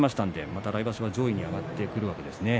また来場所、上位に上がってくるわけですね。